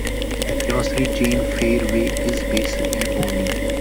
The grocery chain Fareway is based in Boone.